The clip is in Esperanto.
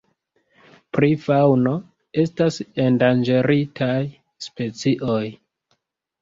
Pri faŭno estas endanĝeritaj specioj.